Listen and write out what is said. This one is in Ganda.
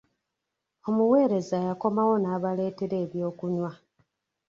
Omuweereza yakomawo n'abaletera eby'okunywa.